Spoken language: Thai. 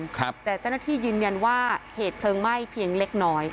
แต่เจ้าหน้าที่ยืนยันว่าเหตุเพลิงไหม้เพียงเล็กน้อย